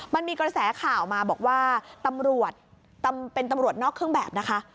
มันมีกระแสข่าวมาบอกว่าตำรวจเป็นตำรวจนอกเครื่องแบบนะคะ